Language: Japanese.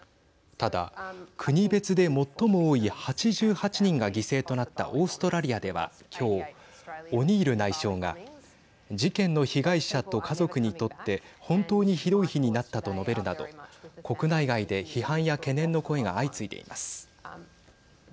ただ、国別で最も多い８８人が犠牲となったオーストラリアでは今日オニール内相が事件の被害者と家族にとって本当にひどい日になったと述べるなど国内外で批判や懸念の声が相次いでいます。